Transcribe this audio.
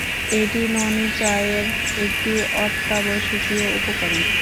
এটি ননী চায়ের একটি অত্যাবশ্যকীয় উপকরণ।